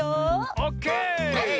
オッケー！